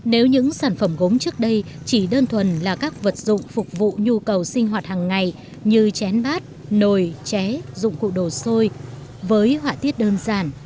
nếu những sản phẩm gốm trước đây chỉ đơn thuần là các vật dụng phục vụ nhu cầu sinh hoạt hàng ngày như chén bát nồi ché dụng cụ đồ xôi với họa tiết đơn giản